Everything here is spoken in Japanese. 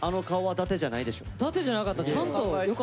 だてじゃなかった。